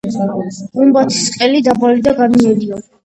გუმბათის ყელი დაბალი და განიერია.